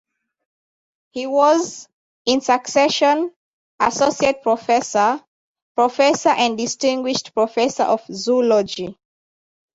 He was, in succession, associate professor, professor and distinguished professor of zoology.